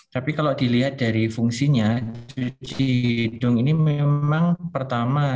tapi kalau dilihat dari fungsinya cidung ini memang pertama